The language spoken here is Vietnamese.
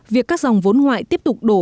việc các dòng vốn ngoại tiếp tục đổ